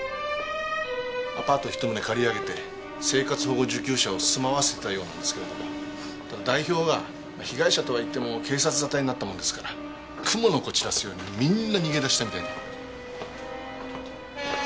アパート１棟借り上げて生活保護受給者を住まわせてたようなんですけどもただ代表が被害者とはいっても警察沙汰になったもんですからクモの子散らすようにみんな逃げだしたみたいで。